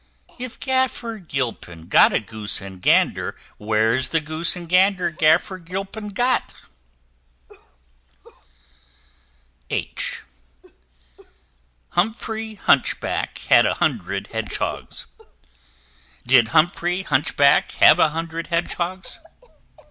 If Gaffer Gilpin got a Goose and Gander, Where's the Goose and Gander Gaffer Gilpin got? H h [Illustration: Humphrey Hunchback] Humphrey Hunchback had a hundred Hedgehogs: Did Humphrey Hunchback have a hundred Hedgehogs?